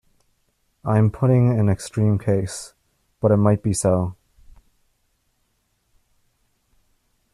I am putting an extreme case, but it might be so.